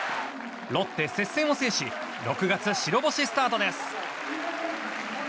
ロッテ、接戦を制し６月白星スタートです。